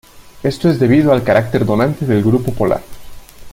Esto es debido al carácter donante del grupo polar.